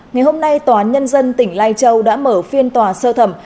ngày hôm nay tòa án nhân dân tỉnh lai châu đã mở phiên tòa sơ thẩm